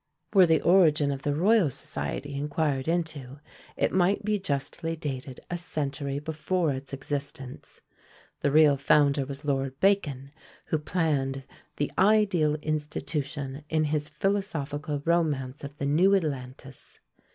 Were the origin of the Royal Society inquired into, it might be justly dated a century before its existence; the real founder was Lord Bacon, who planned the ideal institution in his philosophical romance of the New Atlantis!